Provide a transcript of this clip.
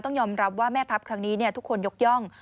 ต้องยอมรับว่าแม่ทัพครั้งนี้ทุกคนยกย่อง